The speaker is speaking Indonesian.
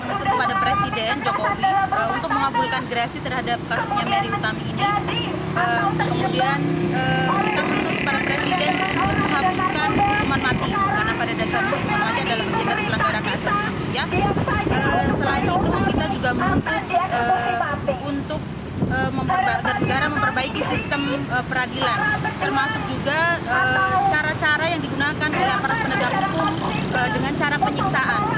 untuk memperbaiki sistem peradilan termasuk juga cara cara yang digunakan oleh para penegak hukum dengan cara penyiksaan